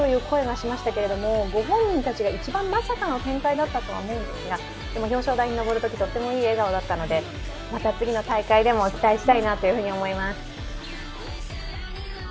声がしましたけれども、ご本人たちが一番まさかの展開だったと思うんですが、でも表彰台に上るとき、とってもいい笑顔だったので、また次の大会でも期待したいなと思います。